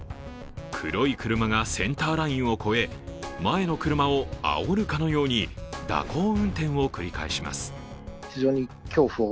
黒い車がセンターラインを越え、前の車をあおるかのように蛇行運転を繰り返します。